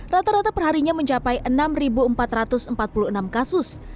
rata rata perharinya mencapai enam empat ratus empat puluh enam kasus